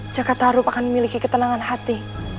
cakatarup akan memiliki ketenangan hati